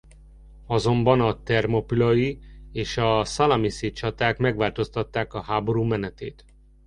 Azonban a thermopülai és a szalamiszi csaták megváltoztatták a háború menetét.